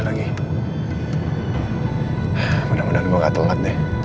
semoga saya tidak terlalu lambat